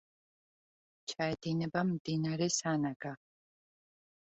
ჩაედინება მდინარე სანაგა.